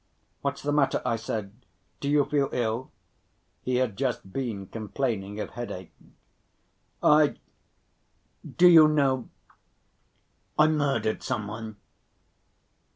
"What's the matter?" I said; "do you feel ill?"—he had just been complaining of headache. "I ... do you know ... I murdered some one."